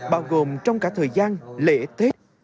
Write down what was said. bao gồm trong cả thời gian lễ tết